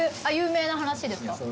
有名な話ですか。